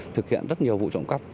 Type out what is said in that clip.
thực hiện rất nhiều vụ trộm cắp